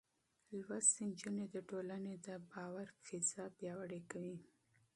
لوستې نجونې د ټولنې د باور فضا پياوړې کوي.